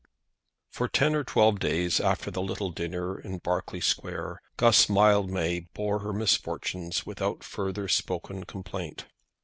For ten or twelve days after the little dinner in Berkeley Square Guss Mildmay bore her misfortunes without further spoken complaint.